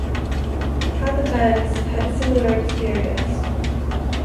Other banks had a similar experience.